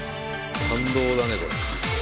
感動だねこれは。